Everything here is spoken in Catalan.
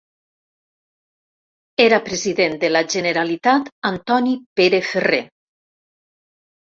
Era President de la Generalitat Antoni Pere Ferrer.